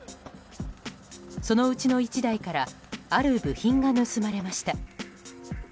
そのうちの１台からある部品が盗まれました。